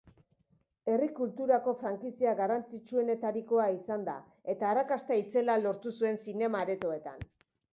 Herri kulturako frankizia garrantzitsuenetarikoa izan da eta arrakasta itzela lortu zuen zinema-aretoetan.